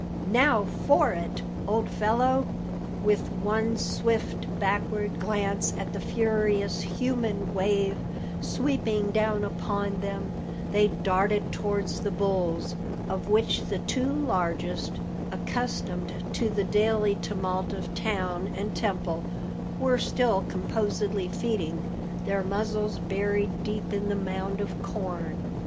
"Now for it, old fellow!" With one swift backward glance at the furious human wave sweeping down upon them, they darted towards the bulls, of which the two largest, accustomed to the daily tumult of town and temple, were still composedly feeding, their muzzles buried deep in the mound of corn.